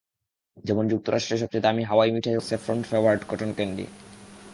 যেমন যুক্তরাষ্ট্রে সবচেয়ে দামি হাওয়াই মিঠাই হলো সেফরন ফ্লেভারড কটন ক্যান্ডি।